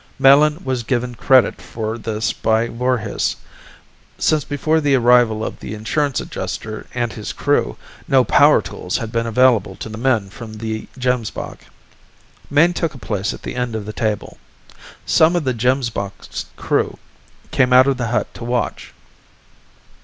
Melin was given credit for this by Voorhis, since before the arrival of the insurance adjuster and his crew, no power tools had been available to the men from the Gemsbok. Mayne took a place at the end of the table. Some of the Gemsbok's crew came out of the hut to watch.